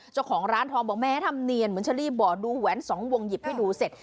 เจ้าของร้านทองบอกแม้ทำเนียนเหมือนเชอรี่บอกดูแหวนสองวงหยิบให้ดูเสร็จ